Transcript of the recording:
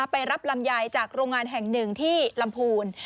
ไปรับลำไยจากโรงงานแห่งหนึ่งที่ลำพูน